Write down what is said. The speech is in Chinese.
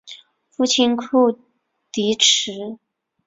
父亲厍狄峙。